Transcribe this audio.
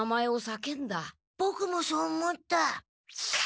ボクもそう思った。